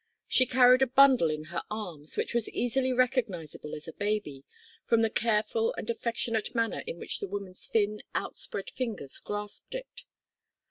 She carried a bundle in her arms which was easily recognisable as a baby, from the careful and affectionate manner in which the woman's thin, out spread fingers grasped it.